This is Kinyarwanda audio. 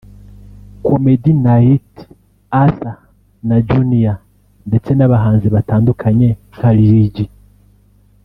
Komedi Nayit (Arthur na Junior) ndetse n’abahanzi batandukanye nka Lil G